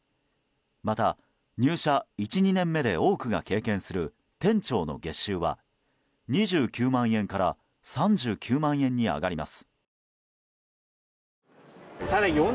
また、入社１２年目で多くが経験する店長の月収は、２９万円から３９万円に上がります。